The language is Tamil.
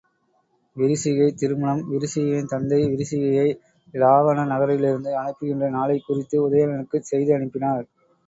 விரிசிகை திருமணம் விரிசிகையின் தந்தை, விரிசிகையை இலாவாண நகரிலிருந்து அனுப்புகின்ற நாளைக் குறித்து உதயணனுக்குச் செய்தி அனுப்பினார்.